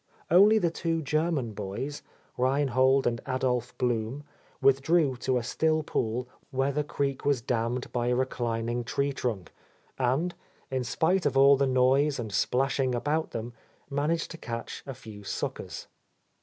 Only the two German boys, Rheinhold and Adolph Blum, withdrew to a still pool where the creek was t6 —, dammed by a reclining flfee trunk, and, in spite of all the noise and splasmng about them, managed to catch a few suckers..